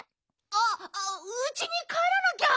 あっうちにかえらなきゃ。